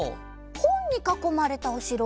ほんにかこまれたおしろ？